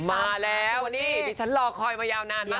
มาแล้วนี่ดิฉันรอคอยมายาวนานมาก